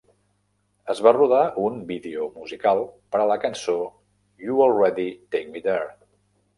Es va rodar un vídeo musical per a la cançó "You already Take Me There".